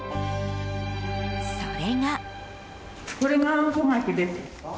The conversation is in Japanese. それが。